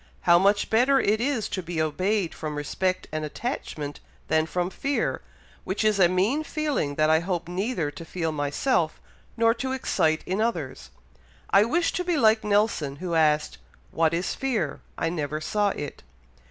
How much better it is to be obeyed from respect and attachment than from fear, which is a mean feeling that I hope neither to feel myself, nor to excite in others. I wish to be like Nelson, who asked, 'What is fear? I never saw it.'"